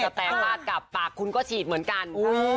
แตงาดกลับปากคุณก็ฉีดเหมือนกัน